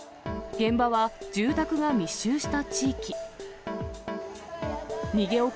現場は住宅が密集した地域。